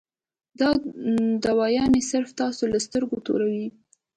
دا دوايانې صرف تاسو له سترګې توروي -